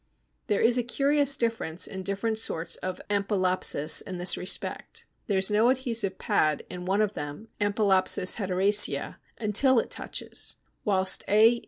There is a curious difference in different sorts of Ampelopsis in this respect. There is no adhesive pad in one of them (Ampelopsis hederacea) until it touches, whilst _A.